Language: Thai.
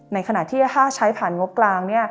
ในขณะที่ค่าใช้ผ่านงบกลาง